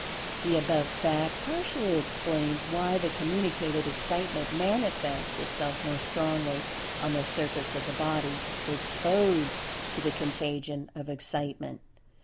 The above fact partially explains why the communicated Excitement manifests itself more strongly on the surface of the body "exposed" to the contagion of Excitement.